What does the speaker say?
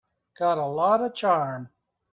Got a lot of charm.